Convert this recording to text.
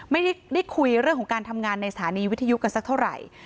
ไม่ได้คุยเรื่องของการทำงานในสถานีวิทยุกันสักเท่าไหร่